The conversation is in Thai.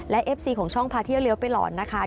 และเอฟซีของช่องพาเที่ยวเลี้ยวไปหลอนนะคะ